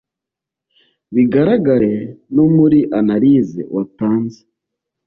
biragaragare no muri analize watanze